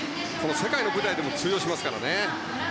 世界の舞台でも通用しますから。